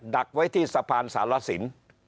ดักไว้ที่สะพานสารสิน